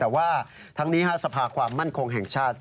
แต่ว่าธังนี้ที่ทางสภาความมั่งคงแห่งชาติ